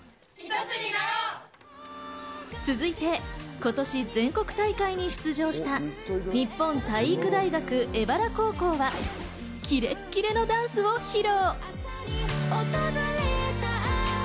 続いて今年、全国大会に出場した日本体育大学荏原高校はキレッキレのダンスを披露。